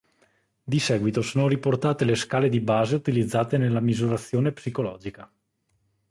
Di seguito sono riportate le scale di base utilizzate nella misurazione psicologica.